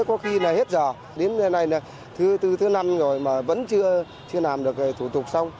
có khi là hết giờ đến đây này là thứ năm rồi mà vẫn chưa làm được thủ tục xong